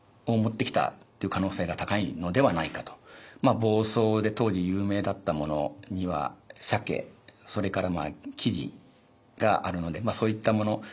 房総で当時有名だったものには鮭それから雉があるのでまあそういったもの